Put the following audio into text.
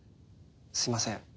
すみません。